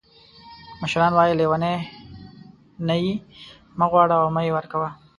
مشران وایي لیوني نه یې مه غواړه او مه یې ورکوه.